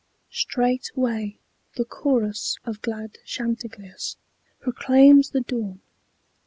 Straightway the chorus of glad chanticleers Proclaims the dawn.